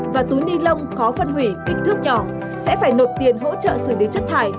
và túi ni lông khó phân hủy kích thước nhỏ sẽ phải nộp tiền hỗ trợ xử lý chất thải